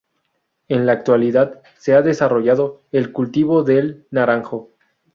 En la actualidad se ha desarrollado el cultivo del naranjo.